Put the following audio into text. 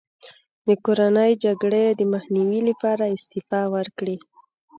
د کورنۍ جګړې د مخنیوي لپاره استعفا وکړي.